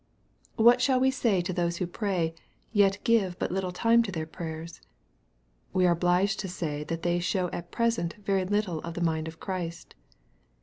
What shall we say to those who pray, yet give but little time to their prayers ? We are obliged to say that they show at present very little of the mind of Christ.